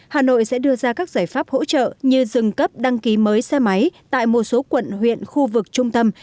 hà nội sẽ đưa ra các giải pháp hỗ trợ như dừng cấp đăng ký mới xe máy tại một số quận huyện khu vực trung tâm